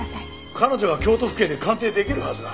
彼女が京都府警で鑑定できるはずが。